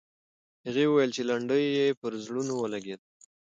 هغې وویل چې لنډۍ یې پر زړونو ولګېده.